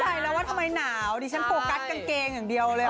ใช่แล้วว่าทำไมหนาวดิฉันโฟกัสกางเกงอย่างเดียวเลย